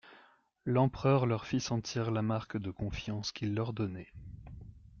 L'empereur leur fit sentir la marque de confiance qu'il leur donnait.